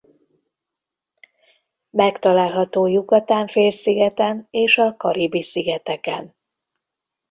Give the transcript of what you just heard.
Megtalálható Yucatán-félszigeten és a Karibi-szigeteken.